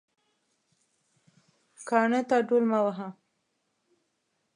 کاڼه ته ډول مه وهه